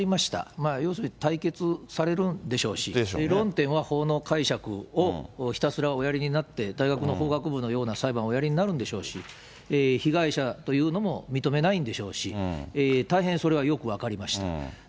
まあ要するに、対決されるんでしょうし、論点は法の解釈をひたすらおやりになって、大学の法学部のような裁判をおやりになるんでしょうし、被害者というのも認めないんでしょうし、大変それがよく分かりました。